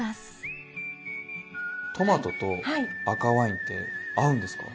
トマトと赤ワインって合うんですか？